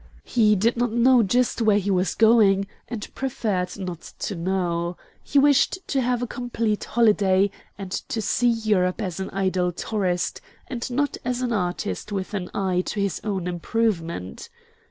He did not know just where he was going, and preferred not to know. He wished to have a complete holiday, and to see Europe as an idle tourist, and not as an artist with an eye to his own improvement.